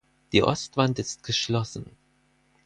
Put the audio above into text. Die Ostwand ist geschlossen.